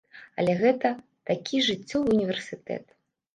Але гэта такі жыццёвы ўніверсітэт.